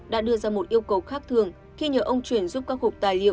đã đưa ra một yêu cầu khác thường khi nhờ ông chuyển giúp các hộp tài liệu